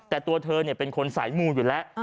แต่ตัวเธอเนี่ยเป็นคนสายมูทย์อยู่แล้ว